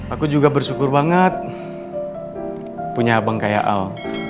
aku juga bersyukur banget punya abang kayak al